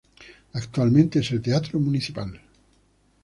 Actualmente es el teatro Municipal.